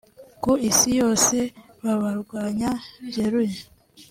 Ku isi yose babarwanya byeruye”